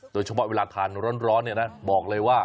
โดยเฉพาะเวลาทานร้อนนี่นะบอกเลยว่า